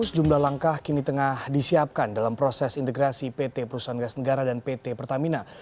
sejumlah langkah kini tengah disiapkan dalam proses integrasi pt perusahaan gas negara dan pt pertamina